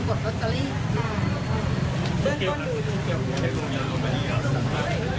เขาก็ได้นอนอีก๒วันแล้ว